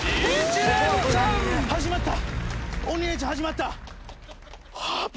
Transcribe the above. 始まった！